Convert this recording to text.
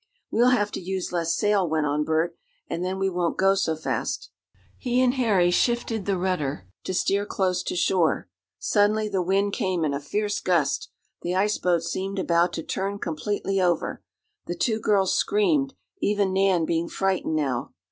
"We'll have to use less sail," went on Bert, "and then we won't go so fast." He and Harry shifted the rudder to steer closer to shore. Suddenly the wind came in a fierce gust. The ice boat seemed about to turn completely over. The two girls screamed, even Nan being frightened now.